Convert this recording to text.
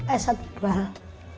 eh satu perang